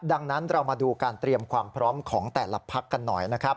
ดังนั้นเรามาดูการเตรียมความพร้อมของแต่ละพักกันหน่อยนะครับ